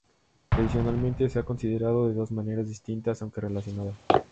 Tradicionalmente, se ha considerado de dos maneras distintas, aunque relacionadas.